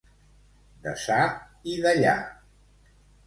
Deçà i dellà.